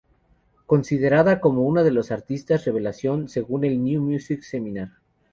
Considerada como uno de los artistas revelación según el New Music Seminar.